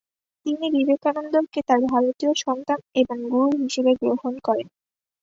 তিনি বিবেকানন্দকে তার ‘ভারতীয় সন্তান’ ও ‘গুরু’ হিসেবে গ্রহণ করেন।